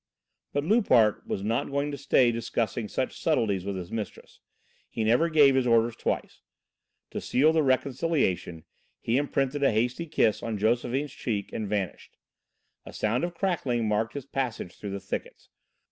But Loupart was not going to stay discussing such subtleties with his mistress. He never gave his orders twice. To seal the reconciliation he imprinted a hasty kiss on Josephine's cheek and vanished. A sound of crackling marked his passage through the thickets.